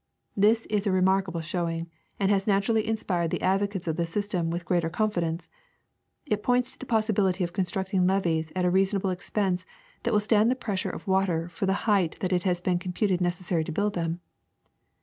This is a remarkable showing, and has naturally in spired the advocates of the system Avith greater confidence It points to the possibility of constructing levees at a reasonable expense that will stand the pressure of water for the height that it has been computed necessary to build them.